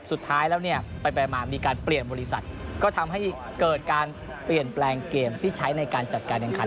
สุดท้ายแล้วเนี่ยไปมามีการเปลี่ยนบริษัทก็ทำให้เกิดการเปลี่ยนแปลงเกมที่ใช้ในการจัดการแข่งขัน